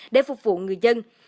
để phục vụ người dân